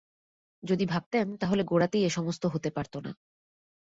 যদি ভাবতেন তা হলে গোড়াতেই এ-সমস্ত হতে পারত না।